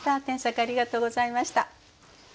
添削ありがとうございました。